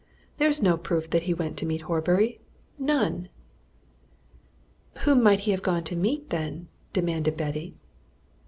There's no proof that he went to meet Horbury none!" "Whom might he have gone to meet, then?" demanded Betty.